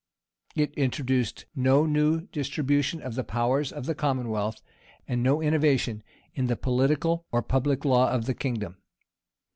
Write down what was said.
It introduced no new distribution of the powers of the common wealth, and no innovation in the political or public law of the kingdom.